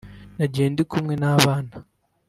Nagiye ndi kumwe n’abana